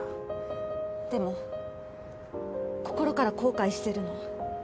でも心から後悔してるの。